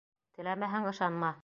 Теләмәһәң, ышанма.